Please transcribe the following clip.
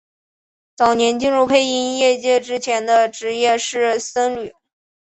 早年进入配音业界之前的职业是僧侣。